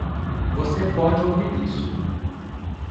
Você pode ouvir isso.